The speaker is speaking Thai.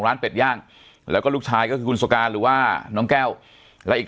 เป็ดย่างแล้วก็ลูกชายก็คือคุณสการหรือว่าน้องแก้วและอีก